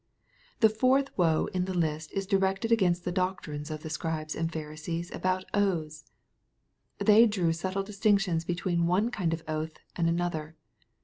The fourth " woe" in the list is directed against the doctrines of the Scribes and Pharisees about oaths. They drew subtle distinctions between one kind of oath and another.